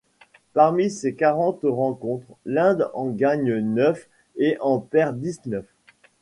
Parmi ces quarante rencontres, l'Inde en gagne neuf et en perd dix-neuf.